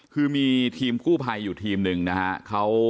คือมีทีมกู้ภัยอยู่ทีมหนึ่งนะฮะ